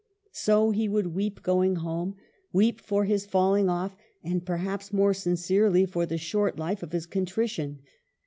So he would weep going home ; weep for his falling off, and perhaps more sincerely for the short life of his contrition.